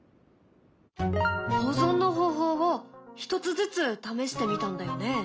保存の方法を１つずつ試してみたんだよね？